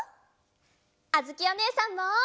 あづきおねえさんも！